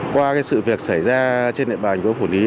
qua cái sự việc xảy ra trên địa bàn của phủ lý